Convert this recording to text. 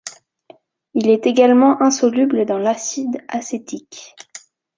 Il est également insoluble dans l'acide acétique.